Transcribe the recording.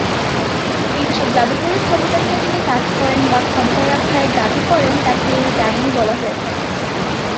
এই সব জাদুকরী ক্ষমতা নিয়ে যিনি কাজ করেন, বা ক্ষমতা রাখার দাবি করেন, তাকে ডাইনি বলা হয়ে থাকে।